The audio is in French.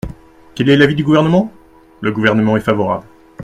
Quel est l’avis du Gouvernement ? Le Gouvernement est favorable.